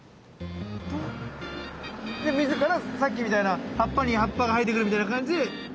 で自らさっきみたいな葉っぱに葉っぱが生えてくるみたいな感じで。